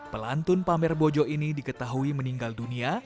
pelantun pamer bojo ini diketahui meninggal dunia